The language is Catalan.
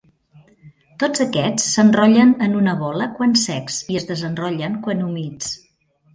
Tots aquests s'enrotllen en una bola quan secs i es desenrotllen quan humits.